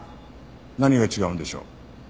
何が違うんでしょう？